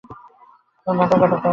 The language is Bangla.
ওহ, গাধা কোথাকার।